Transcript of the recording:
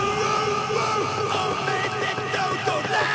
「おめでとう、ドラ！！」